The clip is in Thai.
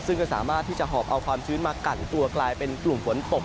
ซึ่งก็สามารถที่จะหอบเอาความชื้นมากันตัวกลายเป็นกลุ่มฝนตก